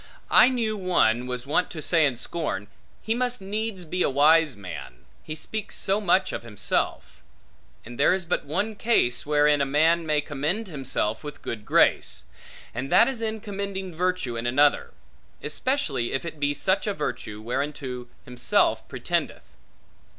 I knew one, was wont to say in scorn, He must needs be a wise man, he speaks so much of himself: and there is but one case, wherein a man may commend himself with good grace; and that is in commending virtue in another; especially if it be such a virtue, whereunto himself pretendeth.